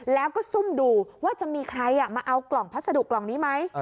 แล้วก็ซุ่มดูว่าจะมีใครมาเอากล่องพัสดุกล่องนี้ไหม